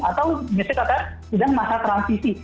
atau misalnya kata sudah masa transisi